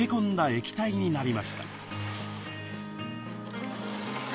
液体になりました。